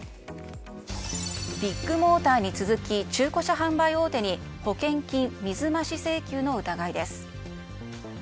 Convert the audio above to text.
ビッグモーターに続き中古車販売大手に保険金水増し請求の疑いです。